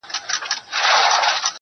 اوس خو پوره تر دوو بـجــو ويــښ يـــم.